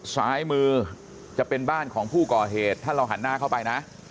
ซ้ายมือจะเป็นบ้านของผู้ก่อเหตุถ้าเราหันหน้าเข้าไปนะ